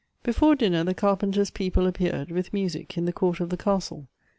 Before dinner the carpenter's people appeared, with music, in the court of the castle.